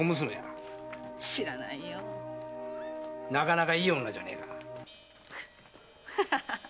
なかなかいい女じゃねえか。